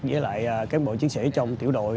với lại các bộ chiến sĩ trong tiểu đội